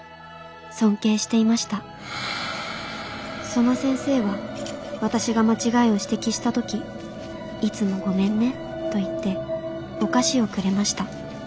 その先生は私が間違いを指摘した時いつもごめんねと言ってお菓子をくれました。